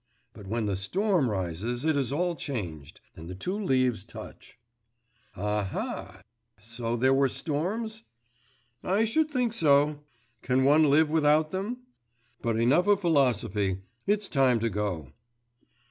But when the storm rises it is all changed ... and the two leaves touch.' 'Aha! So there were storms?' 'I should think so! Can one live without them? But enough of philosophy. It's time to go.